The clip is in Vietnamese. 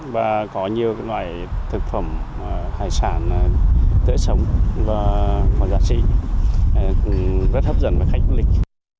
và có nhiều loại thực phẩm hải sản tế sống và giá trị rất hấp dẫn và khách lịch